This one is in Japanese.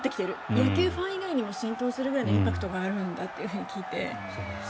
野球ファン以外にも浸透するぐらいのインパクトがあるんだと聞いています。